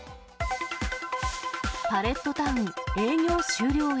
パレットタウン、営業終了へ。